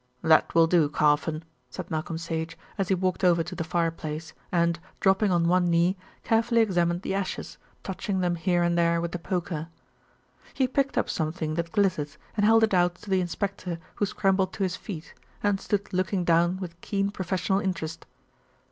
"That will do, Carfon," said Malcolm Sage, as he walked over to the fireplace and, dropping on one knee, carefully examined the ashes, touching them here and there with the poker. He picked up something that glittered and held it out to the inspector who scrambled to his feet, and stood looking down with keen professional interest.